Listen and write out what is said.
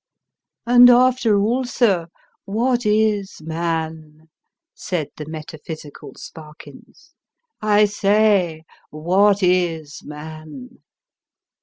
" And after all, sir, what is man ?" said the metaphysical Sparkins. " I say, what is man